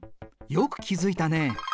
よく気付いたね。